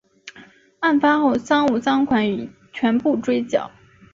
案发后赃款赃物已全部追缴。